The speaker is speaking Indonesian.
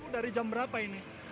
dari jam berapa ini